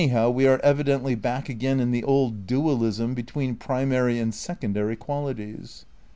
130 THE NEW IDEALISM in we are evidently back again in the old dualism between primary and secondary qualities.